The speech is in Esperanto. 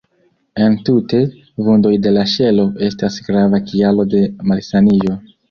Entute, vundoj de la ŝelo estas grava kialo de malsaniĝo.